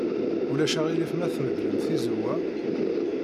Ulac aɣilif ma tmedlem tizewwa?